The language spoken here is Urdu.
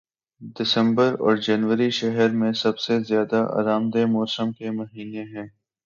دسمبر اور جنوری شہر میں سب سے زیادہ آرام دہ موسم کے مہینے ہیں